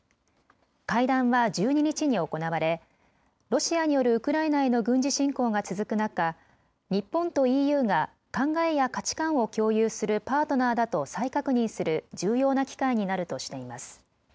会談は１２日に行われロシアによるウクライナへの軍事侵攻が続く中、日本とＥＵが考えや価値観を共有するパートナーだと再確認する重要な機会になるとしています。